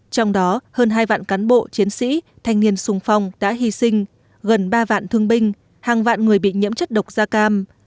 thanh niên sung phong đã hy sinh gần ba vạn thương binh hàng vạn người bị nhiễm chất độc da cam